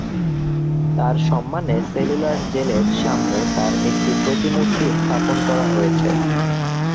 তাঁর সম্মানে সেলুলার জেলের সামনে তার একটি প্রতিমূর্তি স্থাপন করা হয়েছে।